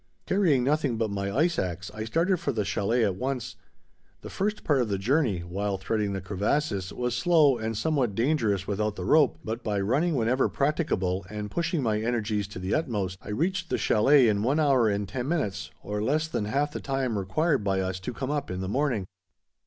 Carrying nothing but my ice axe, I started for the chalet at once. The first part of the journey, while threading the crevasses, was slow and somewhat dangerous without the rope, but by running whenever practicable and pushing my energies to the utmost, I reached the chalet in one hour and ten minutes, or less than half the time required by us to come up in the morning.